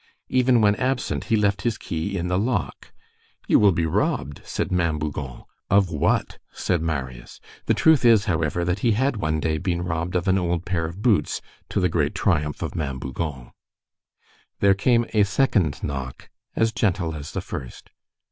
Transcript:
Even when absent he left his key in the lock. "You will be robbed," said Ma'am Bougon. "Of what?" said Marius. The truth is, however, that he had, one day, been robbed of an old pair of boots, to the great triumph of Ma'am Bougon. There came a second knock, as gentle as the first.